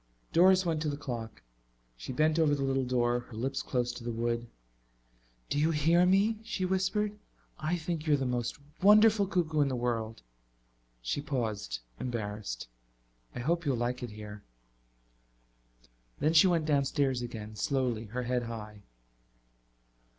Doris went to the clock. She bent over the little door, her lips close to the wood. "Do you hear me?" she whispered. "I think you're the most wonderful cuckoo in the world." She paused, embarrassed. "I hope you'll like it here." Then she went downstairs again, slowly, her head high.